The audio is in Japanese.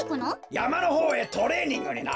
やまのほうへトレーニングにな。